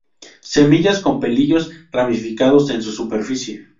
Semillas con pelillos ramificados en su superficie.